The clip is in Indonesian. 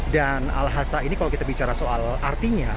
dan al hasa ini kalau kita bicara soal artinya